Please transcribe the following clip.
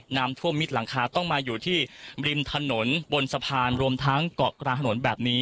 น้ำท่วมมิดหลังคาต้องมาอยู่ที่ริมถนนบนสะพานรวมทั้งเกาะกลางถนนแบบนี้